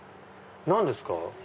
何ですか？